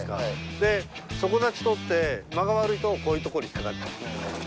で底立ち取って間が悪いとこういうとこに引っ掛かっちゃう。